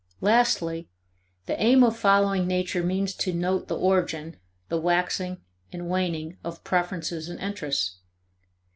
Lastly, the aim of following nature means to note the origin, the waxing, and waning, of preferences and interests.